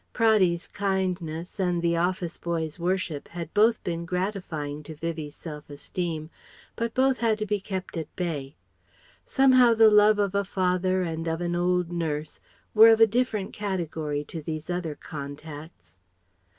Praddy's kindness, and the office boy's worship had both been gratifying to Vivie's self esteem, but both had to be kept at bay. Somehow the love of a father and of an old nurse were of a different category to these other contacts.